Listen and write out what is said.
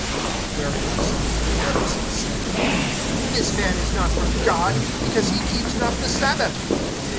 (16)Therefore some of the Pharisees said: This man is not from God, because he keeps not the sabbath.